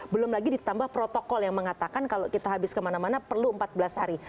belum lagi ditambah protokol yang mengatakan kalau kita habis kemana mana perlu empat belas hari